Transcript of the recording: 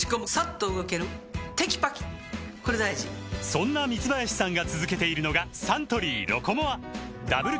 そんな三林さんが続けているのがサントリー「ロコモア」ダブル